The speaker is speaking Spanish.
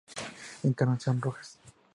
Encarnación Rojas.